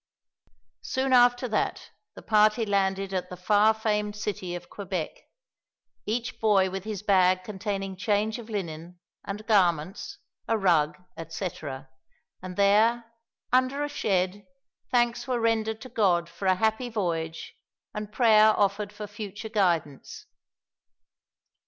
Soon after that, the party landed at the far famed city of Quebec, each boy with his bag containing change of linen, and garments, a rug, etcetera; and there, under a shed, thanks were rendered to God for a happy voyage, and prayer offered for future guidance.